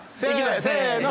せの！